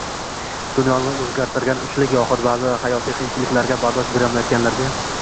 Dunyoni oʻzgartirgan uchlik yoxud baʼzi hayotiy qiyinchiliklarga bardosh berolmayotganlarga